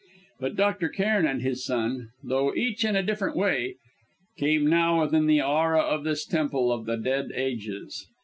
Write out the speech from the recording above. But Dr. Cairn and his son, though each in a different way, came now within the aura of this temple of the dead ages.